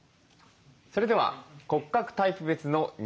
それでは骨格タイプ別の似合う小物。